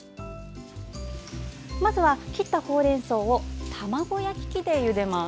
まずは、切ったほうれんそうを卵焼き器でゆでます。